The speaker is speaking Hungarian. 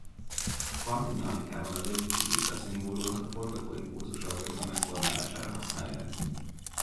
A kvantummechanikában a Levi-Civita-szimbólumot a forgatóimpulzus-algebra megformálására használják.